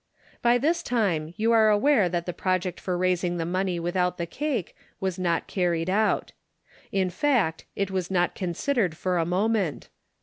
By this time you are aware that the project for raising the money without the cake was not carried out. In fact, it was not considered for a moment.